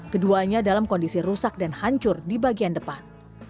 keduanya dalam kondisi rusak dan hancur di bagian depan